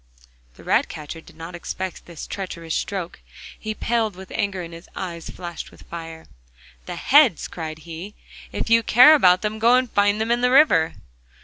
The ratcatcher did not expect this treacherous stroke. He paled with anger and his eyes flashed fire. 'The heads!' cried he, 'if you care about them, go and find them in the river.